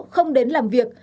không đến làm việc